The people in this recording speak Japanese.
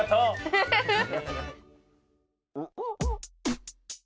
フフフフッ！